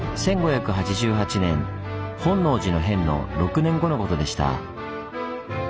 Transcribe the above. １５８８年本能寺の変の６年後のことでした。